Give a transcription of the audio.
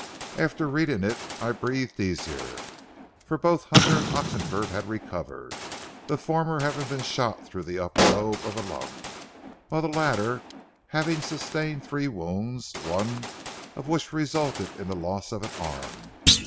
After reading it I breathed easier, for both Hunter and Oxenford had recovered, the former having been shot through the upper lobe of a lung, while the latter had sustained three wounds, one of which resulted in the loss of an arm.